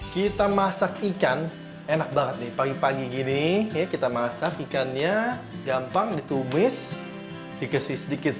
kita masak ikan enak banget nih pagi pagi gini ya kita masak ikannya gampang ditumis dikasih sedikit